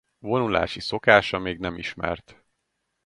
Vonulási szokása még nem ismert.